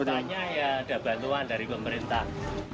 katanya ya ada bantuan dari pemerintah